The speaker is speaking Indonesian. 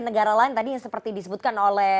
negara lain tadi yang seperti disebutkan oleh